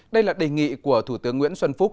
đây là đề nghị của thủ tướng nguyễn xuân phúc